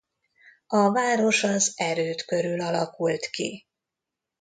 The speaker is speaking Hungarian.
A város az erőd körül alakult ki.